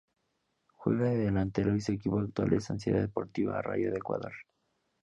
Juega de delantero y su equipo actual es Sociedad Deportiva Rayo de Ecuador.